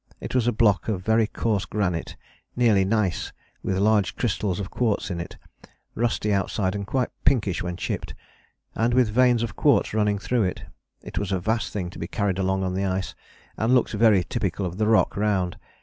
It was a block of very coarse granite, nearly gneiss, with large crystals of quartz in it, rusty outside and quite pinkish when chipped, and with veins of quartz running through it. It was a vast thing to be carried along on the ice, and looked very typical of the rock round.